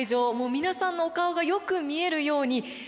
皆さんのお顔がよく見えるように客席がですね